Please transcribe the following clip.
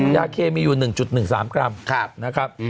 ยาเคมีอยู่๑๑๓กรัมนะครับ